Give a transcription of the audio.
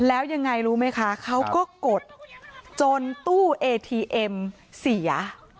แล้วยังไงรู้ไหมคะเขาก็กดจนตู้เอทีเอ็มเสีย